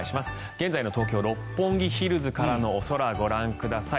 現在の東京・六本木ヒルズからのお空、ご覧ください。